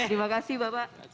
terima kasih bapak